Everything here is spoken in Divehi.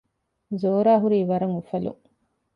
ޒޯރާ ހުރީ ވަރަށް އުފަލުން